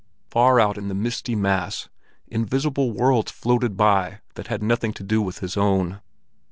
Far out in the misty mass, invisible worlds floated by that had nothing to do with his own.